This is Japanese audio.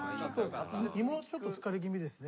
胃もちょっと疲れ気味ですね。